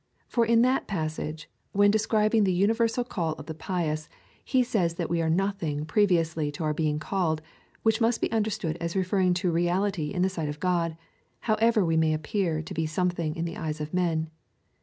For in that j)as sage, when describing the universal call of the pious, he says, that we are nothing previously to our being called, which must be understood as referring to reality in the sight of God, however we may appear to be something in the eyes of men.